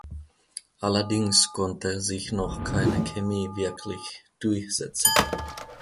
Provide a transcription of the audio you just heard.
Allerdings konnte sich noch keine Chemie wirklich durchsetzen.